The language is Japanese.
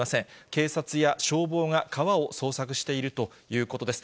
警察や消防が川を捜索しているということです。